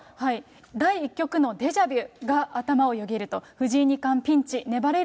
第１局のデジャビュが頭をよぎると、藤井二冠ピンチ、粘れる